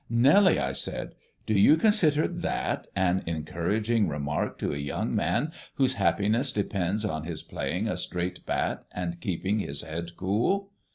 "Nellie," I said, "do you consider that an encouraging remark to a young man whose happiness depends on his playing a straight bat and keeping his head cool?"